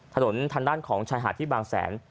ทางด้านของชายหาดที่บางแสน